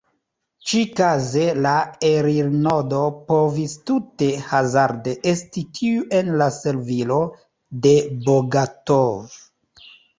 Ĉi-kaze la elirnodo povis tute hazarde esti tiu en la servilo de Bogatov.